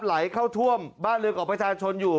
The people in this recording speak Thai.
ไหลเข้าท่วมบ้านเรือนของประชาชนอยู่